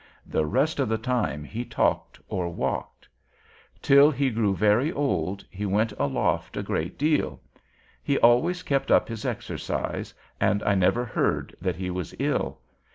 The rest of the time he talked or walked. Till he grew very old, he went aloft a great deal. He always kept up his exercise; and I never heard that he was ill.